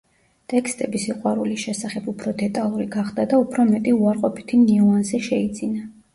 ტექსტები სიყვარულის შესახებ უფრო დეტალური გახდა და უფრო მეტი უარყოფითი ნიუანსი შეიძინა.